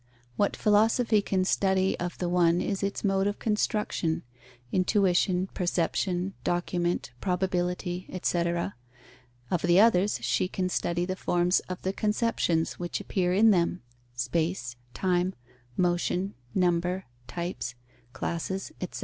What philosophy can study of the one is its mode of construction (intuition, perception, document, probability, etc.); of the others she can study the forms of the conceptions which appear in them (space, time, motion, number, types, classes, etc.).